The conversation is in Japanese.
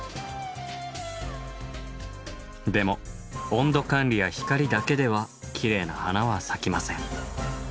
でも温度管理や光だけではきれいな花は咲きません。